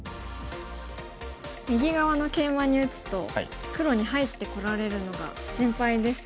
右側のケイマに打つと黒に入ってこられるのが心配です。